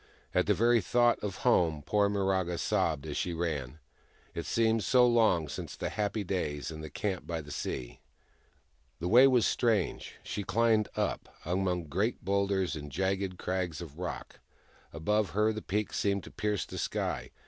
At the very thought of home, poor Miraga sobbed as she ran : it seemed so long since the happy days in the camp by the sea. The way was strange. She climbed up, among great boulders and jagged crags of rock. Above her the peaks seemed to pierce the sky.